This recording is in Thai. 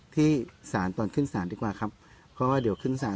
ที่ศาลตอนขึ้นศาลดีกว่าครับเพราะว่าเดี๋ยวขึ้นศาล